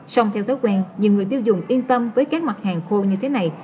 sông theo thói quen nhiều người tiêu dùng yên tâm với các mặt hàng khô như thế này